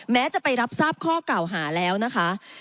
แม้จะไปรับทราบข้อเก่าหาแล้วนะคะ